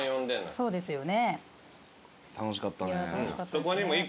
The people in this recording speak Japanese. そうですね。